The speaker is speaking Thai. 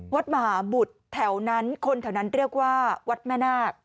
วัดมหาบุตรแถวนั้นคนแถวนั้นเรียกว่าวัดแม่นาค